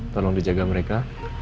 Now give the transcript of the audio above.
tolong dijaga mereka